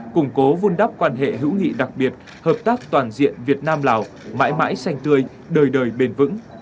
củng cố vun đắp quan hệ hữu nghị đặc biệt hợp tác toàn diện việt nam lào mãi mãi xanh tươi đời đời bền vững